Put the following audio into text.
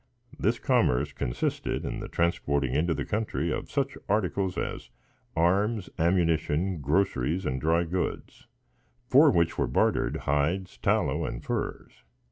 This commerce consisted in the transporting into the country of such articles as arms, ammunition, groceries, and dry goods, for which were bartered, hides, tallow, and furs.